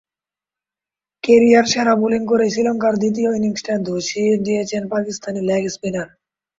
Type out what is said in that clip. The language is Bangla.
ক্যারিয়ার-সেরা বোলিং করেই শ্রীলঙ্কার দ্বিতীয় ইনিংসটা ধসিয়ে দিয়েছেন পাকিস্তানি লেগ স্পিনার।